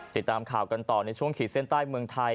ติดตามข่าวกันต่อในช่วงขีดเส้นใต้เมืองไทย